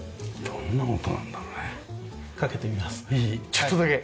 ちょっとだけ。